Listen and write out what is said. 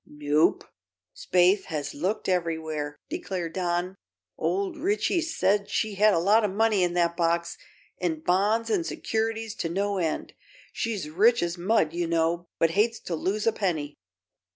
"Nope. Spaythe has looked everywhere," declared Don. "Old Ritchie says she had a lot of money in that box, and bonds an' s'curities to no end. She's rich as mud, you know, but hates to lose a penny."